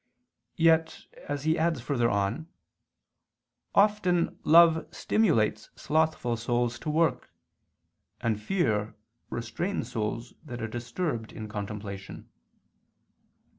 Yet, as he adds further on, "often ... love stimulates slothful souls to work, and fear restrains souls that are disturbed in contemplation."